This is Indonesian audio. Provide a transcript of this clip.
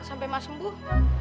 sampai mak sembuh